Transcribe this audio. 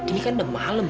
ini kan udah malem